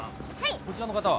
こちらの方は？